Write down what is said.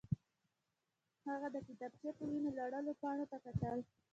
هغه د کتابچې په وینو لړلو پاڼو ته کتل